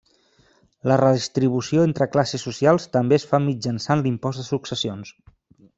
La redistribució entre classes socials també es fa mitjançant l'impost de successions.